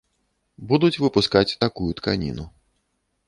Будуць выпускаць такую тканіну.